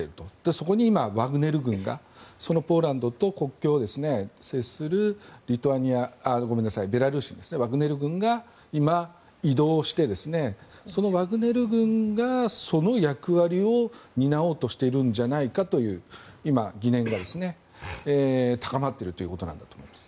そこに今、ワグネル軍がそのポーランドと国境を接するベラルーシにワグネル軍が今、移動をしてワグネル軍がその役割を担おうとしているんじゃないかという疑念が高まっているということなんだと思います。